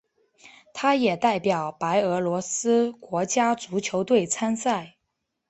他也代表白俄罗斯国家足球队参赛。